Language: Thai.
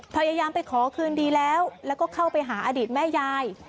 พยายามไปขอคืนดีแล้วแล้วก็เข้าไปหาอดีตแม่ยาย